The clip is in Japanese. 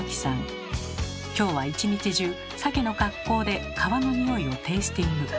今日は一日中サケの格好で川のニオイをテイスティング。